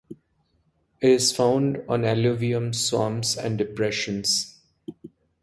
It is found on alluvium in swamps and depressions.